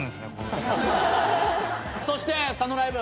そしてサノライブ。